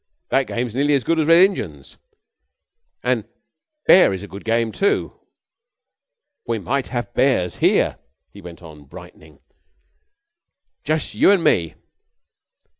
"That game's nearly as good as Red Injuns. An' Bears is a good game too. We might have Bears here," he went on brightening. "Jus' you an' me.